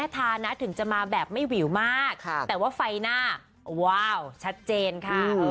แต่ว่าไฟหน้าว้าวชัดเจนคะ